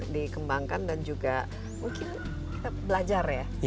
dikembangkan dan juga mungkin kita belajar ya